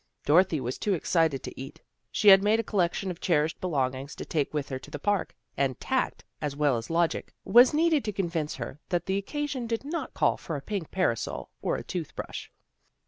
Dorothy was too excited to eat. She had made a collection of cherished belongings to take with her to the Park, and tact, as well as logic, was needed to convince her that the occa sion did not call for a pink parasol or a tooth brush.